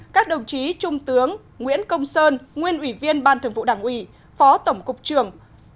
các đồng chí trung tướng nguyễn công sơn nguyên ủy viên ban thường vụ đảng ủy phó tổng cục trường